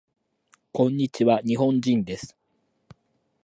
こんにちわ。日本人です。